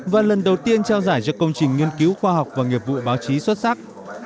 và lần đầu tiên trao giải cho công trình nghiên cứu khoa học và nghiệp vụ báo chí xuất sắc